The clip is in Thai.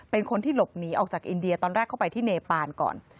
เป็นคนที่หลบหนีออกจากอินเดียตอนแรกเข้าไปที่เนปานก่อน